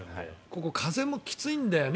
ここ、風もきついんだよね